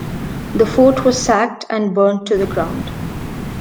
The fort was sacked and burned to the ground.